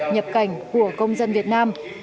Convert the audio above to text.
nhập cảnh của công dân việt nam